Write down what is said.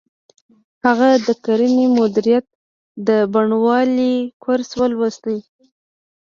هغه د کرنې مدیریت د بڼوالۍ کورس ولوست